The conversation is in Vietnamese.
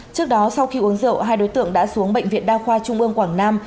trước đó sau khi uống rượu hai đối tượng đã xuống bệnh viện đa khoa trung ương quảng nam